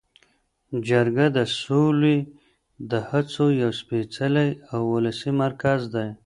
جرګه د سولې د هڅو یو سپیڅلی او ولسي مرکز دی.